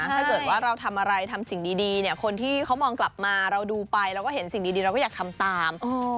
ถ้าเกิดว่าเราทำอะไรทำสิ่งดีเนี่ยคนที่เขามองกลับมาเราดูไปเราก็เห็นสิ่งดีเราก็อยากทำตาม